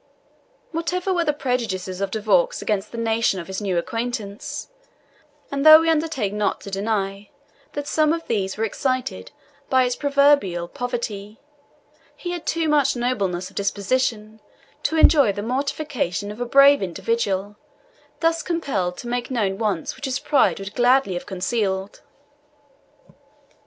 Whatever were the prejudices of De Vaux against the nation of his new acquaintance, and though we undertake not to deny that some of these were excited by its proverbial poverty, he had too much nobleness of disposition to enjoy the mortification of a brave individual thus compelled to make known wants which his pride would gladly have concealed.